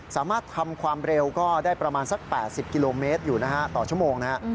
สามารถทำความเร็วก็ได้ประมาณสัก๘๐กิโลเมตรอยู่นะฮะต่อชั่วโมงนะฮะ